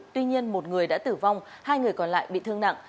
tuy nhiên một người đã tử vong hai người còn lại bị thương nặng